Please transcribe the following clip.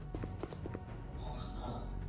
বাবা, বাবা, না!